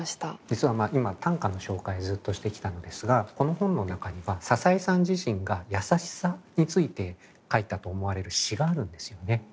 実は今短歌の紹介をずっとしてきたのですがこの本の中には笹井さん自身がやさしさについて書いたと思われる詩があるんですよね。